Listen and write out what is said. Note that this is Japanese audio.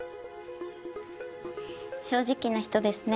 正直な人ですね。